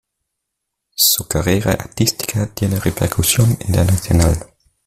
Su carrera artística tiene repercusión internacional.